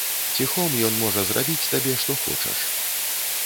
Ціхом ён можа зрабіць табе што хочаш.